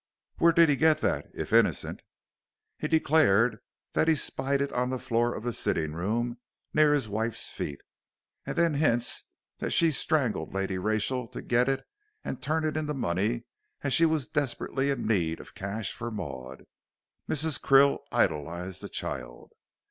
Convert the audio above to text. "Where did he get that, if innocent?" "He declared that he spied it on the floor of the sitting room, near his wife's feet, and then hints that she strangled Lady Rachel to get it and turn it into money as she was desperately in need of cash for Maud. Mrs. Krill idolized the child."